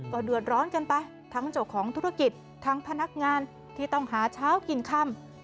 ก็เดือดร้อนกันไปทั้งเจ้าของธุรกิจทั้งพนักงานที่ต้องหาเช้ากินค่ำ